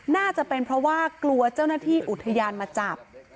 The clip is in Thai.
น่าจะเป็นเพราะว่ากลัวเจ้าหน้าที่อุทยานมาจับ